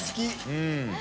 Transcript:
うん。